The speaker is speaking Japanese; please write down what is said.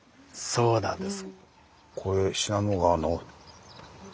そうなんです。